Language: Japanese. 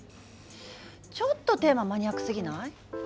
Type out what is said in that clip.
ちょっとテーママニアックすぎない？